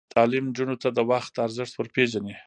تعلیم نجونو ته د وخت ارزښت ور پېژني.